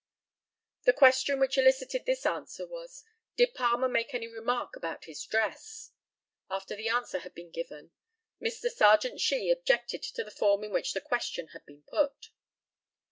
The question which elicited this answer was, "Did Palmer make any remark about his dress?" After the answer had been given, Mr. Serjeant SHEE objected to the form in which the question had been put.